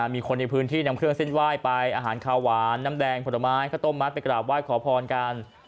มีคนในพื้นที่นำเครื่องเส้นไหว้ไปอาหารขาวหวานน้ำแดงผลไม้ข้าวต้มมัดไปกราบไหว้ขอพรกัน